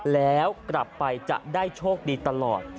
แล้วกลับไปจะได้โชคดีตลอด